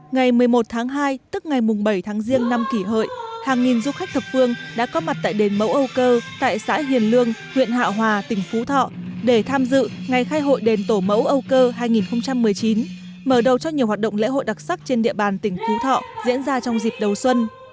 ngày một mươi một tháng hai tức ngày bảy tháng riêng năm kỷ hợi hàng nghìn du khách thập phương đã có mặt tại đền mẫu âu cơ tại xã hiền lương huyện hạ hòa tỉnh phú thọ để tham dự ngày khai hội đền tổ mẫu âu cơ hai nghìn một mươi chín mở đầu cho nhiều hoạt động lễ hội đặc sắc trên địa bàn tỉnh phú thọ diễn ra trong dịp đầu xuân